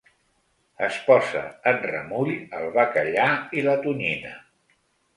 Es posa en remull el bacallà i la tonyina.